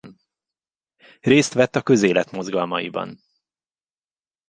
Részt vett a közélet mozgalmaiban.